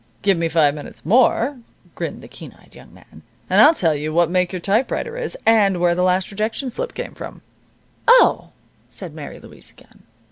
"Give me five minutes more," grinned the keen eyed young man, "and I'll tell you what make your typewriter is, and where the last rejection slip came from." "Oh!" said Mary Louise again.